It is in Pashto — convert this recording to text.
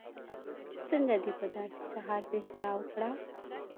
څنګه دې په داسې سهار پېښه راوکړه.